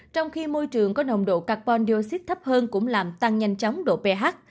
trong khi môi trường có nồng độ carbon dioxide thấp hơn cũng làm tăng nhanh chóng độ ph